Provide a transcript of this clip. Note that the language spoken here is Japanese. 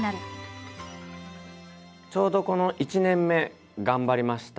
ちょうどこの１年目頑張りました。